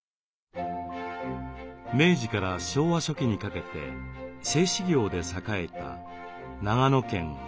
明治から昭和初期にかけて製糸業で栄えた長野県須坂市。